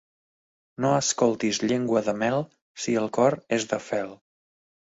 No escoltis llengua de mel, si el cor és de fel.